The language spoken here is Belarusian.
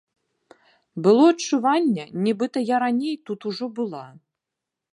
Было адчуванне, нібыта я раней тут ужо была.